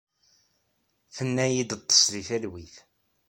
Tenna-iyi-d ḍḍes deg talwit.